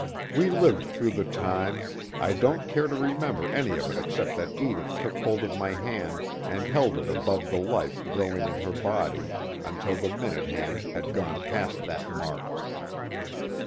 We lived through the time I don't care to remember any of it except that Edith took hold of my hand and held it above the life growing in her body, until the minute hand had gone past that mark.